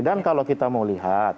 dan kalau kita mau lihat